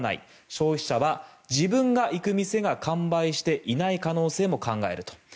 消費者は自分が行く店が完売していない可能性も考えると。